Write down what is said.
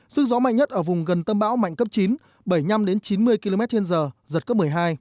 sức gió mạnh nhất ở vùng gần tâm bão mạnh cấp chín bảy mươi năm chín mươi km trên giờ giật cấp một mươi hai